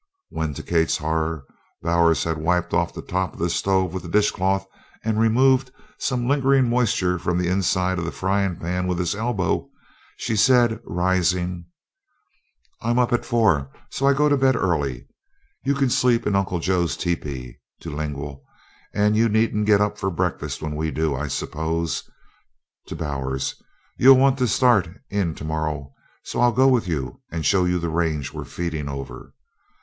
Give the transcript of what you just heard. When, to Kate's horror, Bowers had wiped off the top of the stove with the dishcloth and removed some lingering moisture from the inside of a frying pan with his elbow, she said, rising: "I'm up at four, so I go to bed early. You can sleep in Uncle Joe's tepee," to Lingle, "and you needn't get up for breakfast when we do. I suppose," to Bowers, "you'll want to start in to morrow, so I'll go with you and show you the range we're feeding over."